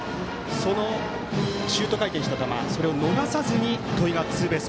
シュート回転した球を逃さずに戸井がツーベース。